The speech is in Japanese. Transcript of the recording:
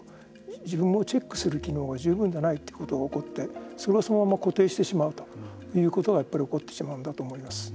自分をチェックする機能が十分ではないということが起こってそれがそのまま固定してしまうということが起こってしまうんだと思います。